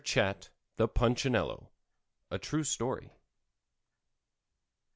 CHAT, THE PUNCHINELLO. A TRUE STORY.